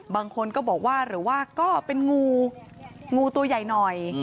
บางคนก็บอกว่าหรือว่าก็เป็นงูงูตัวใหญ่หน่อย